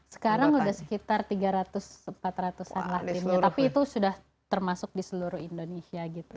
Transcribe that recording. sekarang sudah sekitar tiga ratus empat ratus an lah timnya tapi itu sudah termasuk di seluruh indonesia gitu